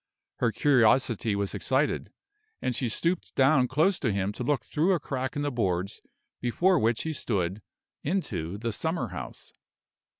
Her curiosity was excited, and she stooped down close to him to look through a crack in the boards before which he stood into the summer house.